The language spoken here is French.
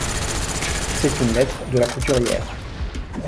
C'est une lettre de la couturière.